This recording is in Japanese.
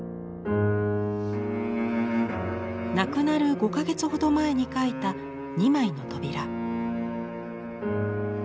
亡くなる５か月ほど前に描いた２枚の扉。